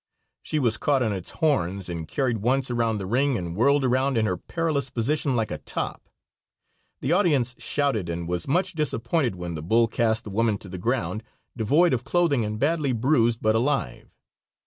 She was caught on its horns and carried once around the ring and whirled around in her perilous position like a top. The audience shouted and was much disappointed when the bull cast the woman to the ground, devoid of clothing and badly bruised, but alive.